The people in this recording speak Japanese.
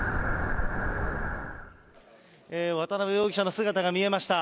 渡辺容疑者の姿が見えました。